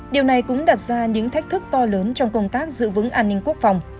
điều này cũng đặt ra những thách thức to lớn trong công tác giữ vững an ninh quốc phòng